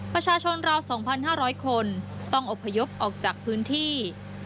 ประชาชนราว๒๕๐๐คนต้องอบพยพออกจากพื้นที่